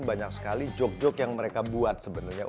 banyak sekali joke joke yang mereka buat sebenarnya